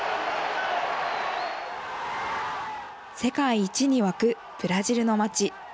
世界一に沸くブラジルの町。